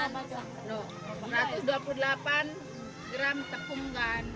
satu ratus dua puluh delapan gram tepungan